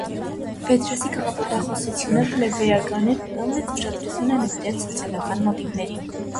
Ֆեդրոսի գաղափարախոսությունը պլեբեյական է, նա մեծ ուշադրություն է նվիրել սոցիալական մոտիվներին։